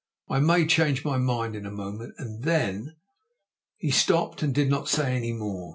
I may change my mind in a moment, and then " He stopped and did not say any more.